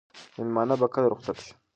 مېلمانه به کله رخصت شي؟